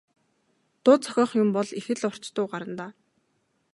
Дуу зохиох юм бол их л урт дуу гарна даа.